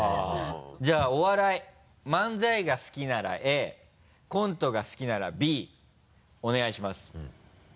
じゃあお笑い漫才が好きなら「Ａ」コントが好きなら「Ｂ」お願いします。